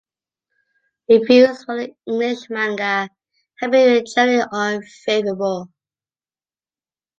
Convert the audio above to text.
Reviews for the English manga have been generally unfavorable.